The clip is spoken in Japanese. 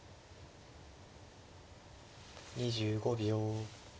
２５秒。